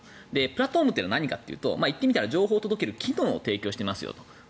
プラットフォームって何かというと言ってみたら情報を届ける機能を提供していますと。